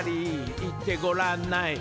言ってごらんない